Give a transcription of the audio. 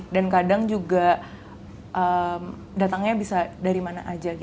dan kadang juga datangnya bisa dari mana saja